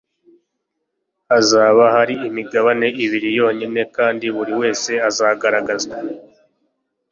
hazaba hari imigabane ibiri yonyine kandi buri wese azagaragazwa